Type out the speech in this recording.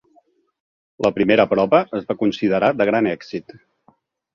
La primera prova es va considerar de gran èxit.